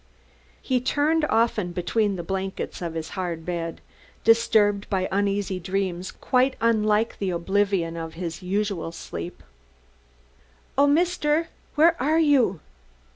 He turned often between the blankets of his hard bed, disturbed by uneasy dreams quite unlike the deep oblivion of his usual sleep. "Oh, Mister, where are you?"